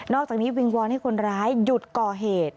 อกจากนี้วิงวอนให้คนร้ายหยุดก่อเหตุ